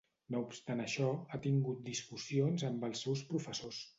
No obstant això, ha tingut discussions amb els seus professors.